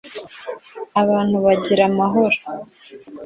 abantu bagira amahoro